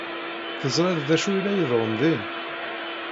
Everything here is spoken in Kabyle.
Teẓriḍ d acu i la iḍerrun din?